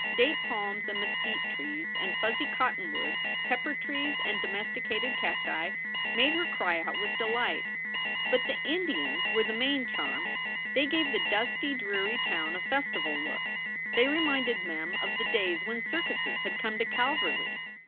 Date palms and mesquite trees and fuzzy cottonwoods, pepper trees and domesticated cacti, made her cry out with delight. But the Indians were the main charm. They gave the dusty, dreary town a festival look. They reminded Mem of the days when circuses had come to Calverly.